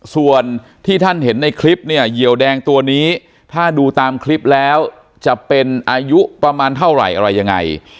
ส่วนที่ท่านเห็นในคลิปเนี่ยเหยียวแดงตัวนี้ถ้าดูตามคลิปแล้วจะเป็นอายุประมาณเท่าไหร่อะไรยังไง